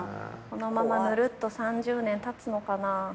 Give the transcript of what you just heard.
このままぬるっと３０年たつのかな。